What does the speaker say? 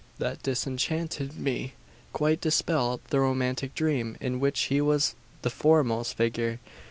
That disenchanted me quite dispelled the romantic dream in which he was the foremost figure.